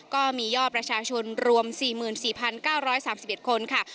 ก็มียอดประชาชนรวม๔๔๙๓๑คนค่ะ